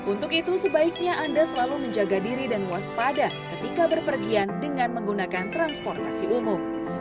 untuk itu sebaiknya anda selalu menjaga diri dan waspada ketika berpergian dengan menggunakan transportasi umum